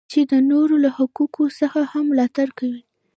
چې د نورو له حقوقو څخه هم ملاتړ کوي.